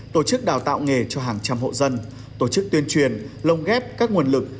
tổ chức đào tạo nghề cho hàng trăm hộ dân tổ chức tuyên truyền lồng ghép các nguồn lực